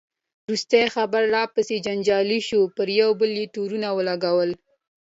وروسته خبره لا پسې جنجالي شوه، پر یو بل یې تورونه ولګول.